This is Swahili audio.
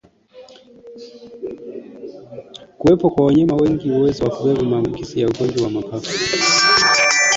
Kuwepo kwa wanyama wenye uwezo wa kubeba maambukizi ya ugonjwa wa mapafu